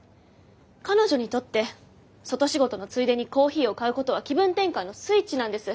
彼女にとって外仕事のついでにコーヒーを買うことは気分転換のスイッチなんです。